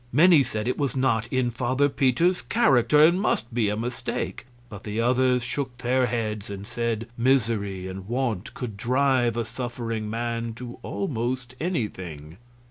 Many said it was not in Father Peter's character and must be a mistake; but the others shook their heads and said misery and want could drive a suffering man to almost anything.